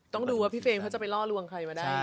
ต้องดูว่าพี่เฟยงพวกมันต้องไปล่อลวงใครมาได้